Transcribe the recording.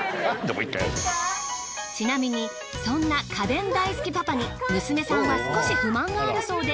ちなみにそんな家電大好きパパに娘さんは少し不満があるそうで。